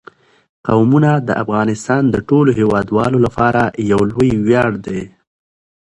قومونه د افغانستان د ټولو هیوادوالو لپاره یو لوی ویاړ دی.